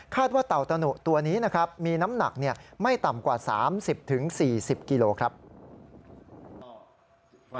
ว่าเต่าตะหนุตัวนี้นะครับมีน้ำหนักไม่ต่ำกว่า๓๐๔๐กิโลครับ